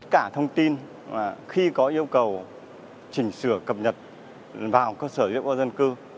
cả thông tin khi có yêu cầu chỉnh sửa cập nhật vào cơ sở dân cư